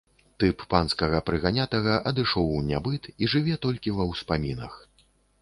Тып панскага прыганятага адышоў у нябыт і жыве толькі ва ўспамінах.